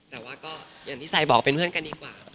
แต่ว่าก็อย่างที่ซายบอกเป็นเพื่อนกันดีกว่า